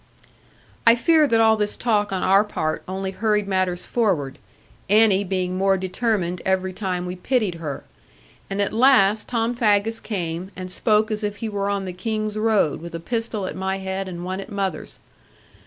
I fear that all this talk on our part only hurried matters forward, Annie being more determined every time we pitied her. And at last Tom Faggus came, and spoke as if he were on the King's road, with a pistol at my head, and one at mother's.